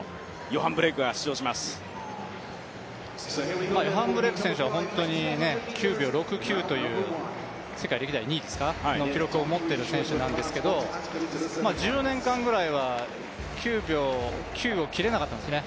ヨハン・ブレイク選手は９秒６９という世界歴代２位の記録を持っている選手なんですけど１０年間くらいは９秒９を切れなかったんですね